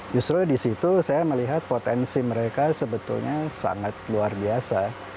justru di situ saya melihat potensi mereka sebetulnya sangat luar biasa